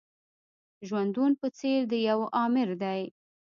ژوندون په څېر د يوه آمر دی.